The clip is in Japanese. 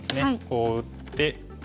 こう打って。